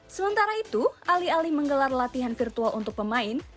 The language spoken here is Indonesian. sementara itu alih alih menggelar latihan virtual untuk pemain